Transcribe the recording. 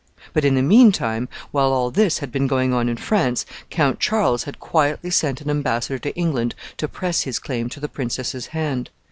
But, in the mean time, while all this had been going on in France, Count Charles had quietly sent an embassador to England to press his claim to the princess's hand.